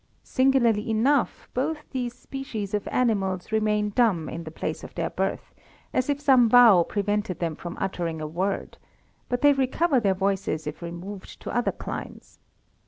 Singular enough, both these species of animals remain dumb in the place of their birth, as if some vow prevented them from uttering a word; but they recover their voices if removed to other climes.